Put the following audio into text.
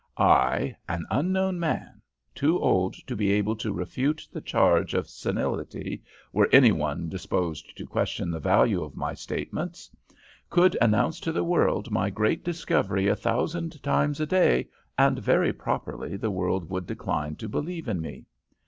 I, an unknown man too old to be able to refute the charge of senility were any one disposed to question the value of my statements could announce to the world my great discovery a thousand times a day, and very properly the world would decline to believe in me.